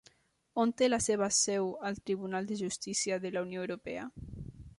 On té la seva seu el Tribunal de Justícia de la Unió Europea?